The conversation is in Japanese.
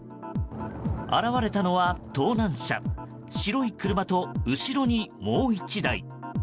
現れたのは、盗難車白い車と、後ろにもう１台。